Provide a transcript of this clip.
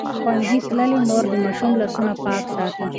ښوونځې تللې مور د ماشوم لاسونه پاک ساتي.